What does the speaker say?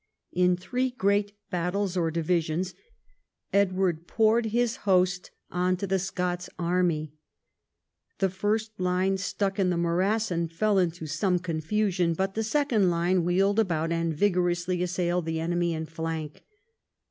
In three great "battles" or divisions, Edward poured his host on to the Scots army. The first line stuck in the morass and fell into some confusion, but the second line wheeled about and vigorously assailed the enemy in flank.